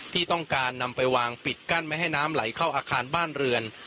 ที่ต้องการนำไปวางปิดกั้นไม่ให้น้ำไหลเข้าอาคารบ้านเรือน